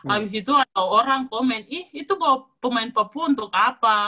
abis itu ada orang komen ih itu bawa pemain papua untuk apa